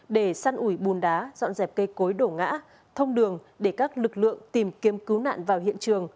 để săn ủi bùn đá dọn dẹp cây cối đổ ngã thông đường để các lực lượng tìm kiếm cứu nạn vào hiện trường